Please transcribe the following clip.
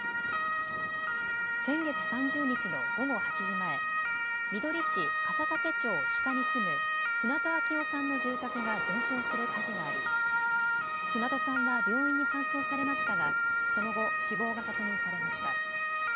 先月３０日の午後８時前、みどり市笠懸町鹿に住む船戸秋雄さんの住宅が全焼する火事があり、船戸さんは病院に搬送されましたがその後、死亡が確認されました。